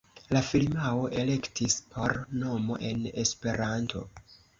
La firmao elektis por nomo en Esperanto.